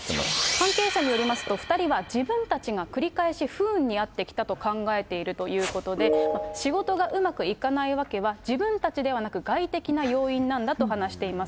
関係者によりますと、自分たちが繰り返し不運にあってきたと考えているということで、仕事がうまくいかない訳は、自分たちではなく、外的な要因なんだと話しています。